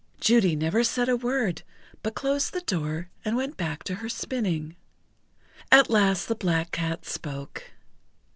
Judy never said a word, but closed the door, and went back to her spinning. At last the Black Cat spoke.